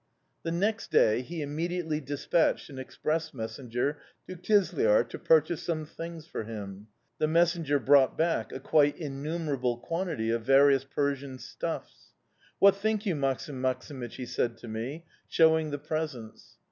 "The next day he immediately despatched an express messenger to Kizlyar to purchase some things for him. The messenger brought back a quite innumerable quantity of various Persian stuffs. "'What think you, Maksim Maksimych?' he said to me, showing the presents.